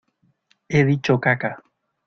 he dicho caca.